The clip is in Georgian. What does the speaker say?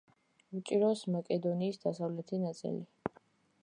უჭირავს მაკედონიის დასავლეთი ნაწილი.